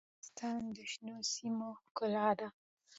ګاز د افغانستان د شنو سیمو ښکلا ده.